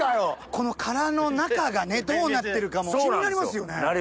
この殻の中がどうなってるか気になりますよね。